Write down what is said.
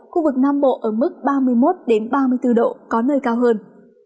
khu vực nam bộ ở mức ba mươi một ba mươi bốn độ có nơi cao hơn